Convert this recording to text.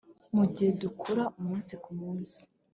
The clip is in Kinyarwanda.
mugihe dukura umunsi kumunsi